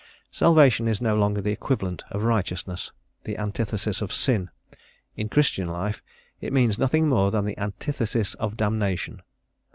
Salvation is no longer the equivalent of righteousness, the antithesis of sin; in Christian life it means nothing more than the antithesis of damnation.